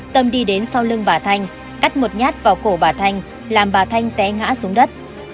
tâm đi đến sau lưng bà thanh cắt một nhát vào cổ bà thanh làm bà thanh té ngã xuống đất